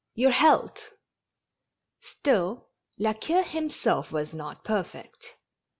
Your health!" Still, La Queue himself was not perfect.